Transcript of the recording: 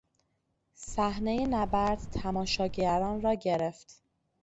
صحنهی نبرد تماشاگران را گرفت.